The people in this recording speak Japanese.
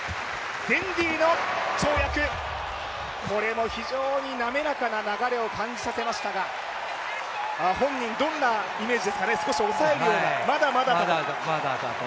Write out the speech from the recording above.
これも非常に滑らかな流れを感じさせましたが本人、どんなイメージですかね、少し抑えるような、まだまだと。